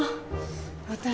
私